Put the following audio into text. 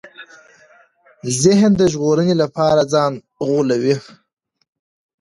ذهن د ژغورنې لپاره ځان غولوي.